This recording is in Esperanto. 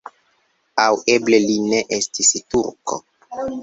Aŭ eble li ne estis turko.